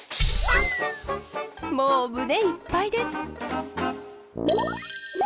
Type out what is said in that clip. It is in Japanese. もう胸いっぱいです。